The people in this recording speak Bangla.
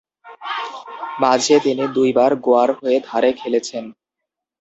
মাঝে তিনি দুই বার গোয়ার হয়ে ধারে খেলেছেন।